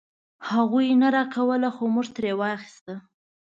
هغوی نه راکوله خو مونږ ترې واخيسته.